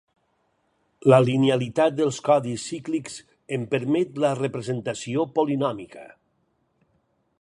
La linealitat dels codis cíclics en permet la representació polinòmica.